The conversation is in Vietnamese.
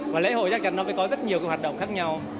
và lễ hội chắc chắn nó mới có rất nhiều hoạt động khác nhau